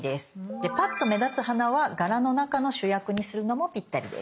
でパッと目立つ花は柄の中の主役にするのもぴったりです。